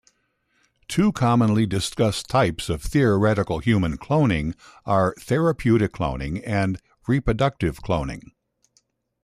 Two commonly discussed types of theoretical human cloning are "therapeutic cloning" and "reproductive cloning".